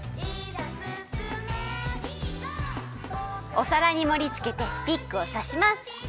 おさらにもりつけてピックをさします。